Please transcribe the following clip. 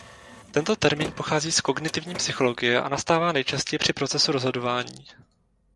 Tento termín pochází z kognitivní psychologie a nastává nejčastěji při procesu rozhodování.